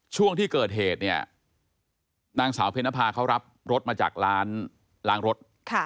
ช่วงที่เกิดเหตุเนี่ยนางสาวเพนภาเขารับรถมาจากร้านล้างรถ